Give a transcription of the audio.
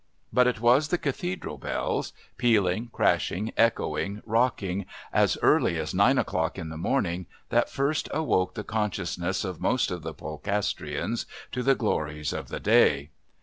But it was the Cathedral bells, pealing, crashing, echoing, rocking, as early as nine o'clock in the morning, that first awoke the consciousness of most of the Polcastrians to the glories of the day.